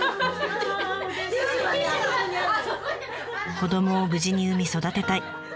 「子どもを無事に産み育てたい。